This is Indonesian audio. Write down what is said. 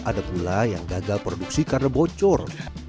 ada juga kue keranjang yang gagal produksi karena bocor